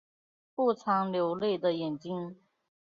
不常流泪的眼睛